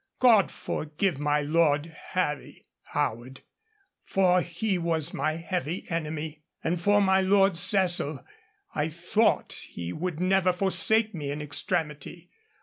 God forgive my Lord Harry [Howard], for he was my heavy enemy. And for my Lord Cecil, I thought he would never forsake me in extremity.